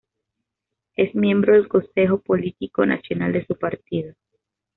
Es miembro del Consejo Político Nacional de su partido.